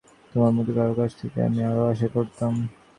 তোমার মতো কারও কাছ থেকে আমি আরও আশা করতাম।